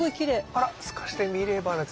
あら透かしてみればのやつですね。